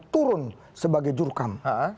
turun sebagai jurkam